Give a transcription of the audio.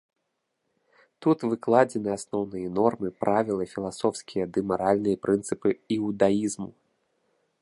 Тут выкладзены асноўныя нормы, правілы, філасофскія ды маральныя прынцыпы іўдаізму.